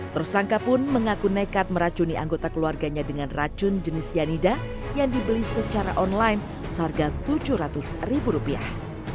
tersangka pun mengaku nekat meracuni anggota keluarganya dengan racun jenis cyanida yang dibeli secara online seharga tujuh ratus ribu rupiah